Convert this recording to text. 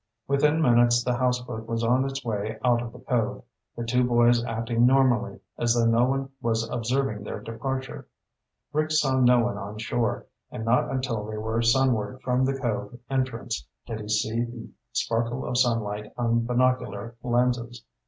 Within minutes the houseboat was on its way out of the cove, the two boys acting normally, as though no one was observing their departure. Rick saw no one on shore, and not until they were sunward from the cove entrance did he see the sparkle of sunlight on binocular lenses.